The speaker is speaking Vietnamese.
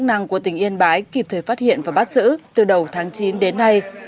chức năng của tỉnh yên bái kịp thời phát hiện và bắt giữ từ đầu tháng chín đến nay